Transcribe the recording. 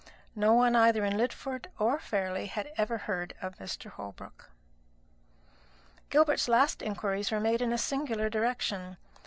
No one either at Lidford or Fairleigh had ever heard of Mr. Holbrook. Gilbert's last inquiries were made in a singular direction.